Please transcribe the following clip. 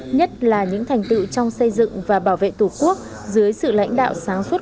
nhất là những thành tựu trong xây dựng và bảo vệ tổ quốc dưới sự lãnh đạo sáng suốt